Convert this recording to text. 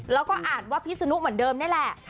แล้วก็อ่านว่าพิศนุเหมือนเดิมนี่แหละ